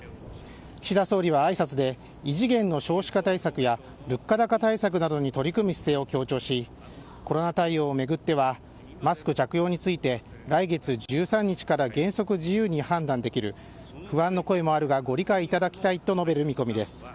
岸田総理はあいさつで異次元の少子化対策や物価高対策などに取り組む姿勢を強調しコロナ対応をめぐってはマスク着用について来月１３日から原則自由に判断できる不安の声もあるがご理解いただきたいと述べる見込みです。